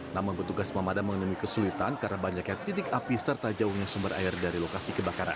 namun petugas pemadam mengalami kesulitan karena banyaknya titik api serta jauhnya sumber air dari lokasi kebakaran